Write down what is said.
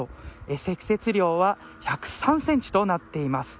積雪量は１０３センチとなっています。